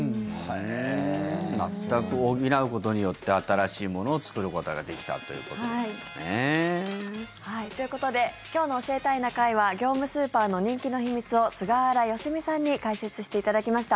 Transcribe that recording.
全く、補うことによって新しいものを作ることができたということですね。ということで今日の「教えたいな会」は業務スーパーの人気の秘密を菅原佳己さんに解説していただきました。